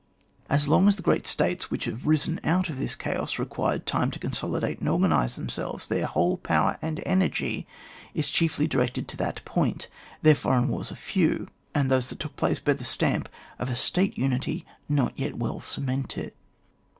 As long as the great States which "have risen out of this chaos required tftne to consoOiate and organise themselves, their whole power and energy is chiefly di recM to that point ; their foreign wars are few, and those that took place bear the stamp of a State unity not yet well cemented.